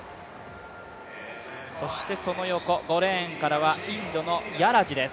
そしてその横５レーンからはインドのヤラジです。